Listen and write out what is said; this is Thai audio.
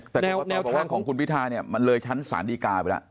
แต่กรกตบอกว่าของคุณพิทาเนี่ยมันเลยชั้นศาลดีกาไปแล้ว